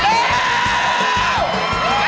เร็ว